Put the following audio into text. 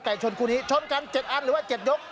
ชนคู่นี้ชนกัน๗อันหรือว่า๗ยก